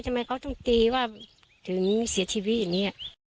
ทำไมเขาต้องตีว่าถึงเสียชีวิตอย่างนี้